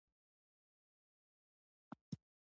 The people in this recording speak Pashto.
د امير حبيب الله خان زيارت په جلال اباد کی دی